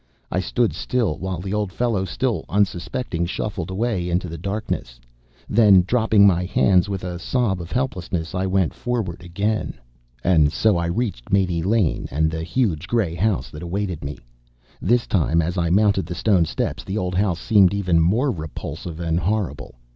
I stood still, while the old fellow, still unsuspecting, shuffled, away into the darkness. Then, dropping my hands with a sob of helplessness, I went forward again. And so I reached Mate Lane, and the huge gray house that awaited me. This time, as I mounted the stone steps, the old house seemed even more repulsive and horrible.